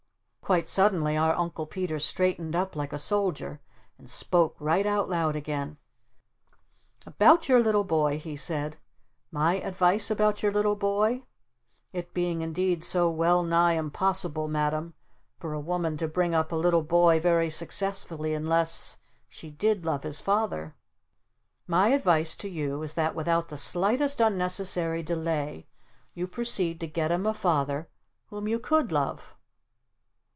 Quite suddenly our Uncle Peter straightened up like a soldier and spoke right out loud again. "About your little boy," he said, "my advice about your little boy? It being indeed so well nigh impossible, Madam, for a woman to bring up a little boy very successfully unless she did love his Father, my advice to you is that without the slightest unnecessary delay you proceed to get him a Father whom you COULD love!"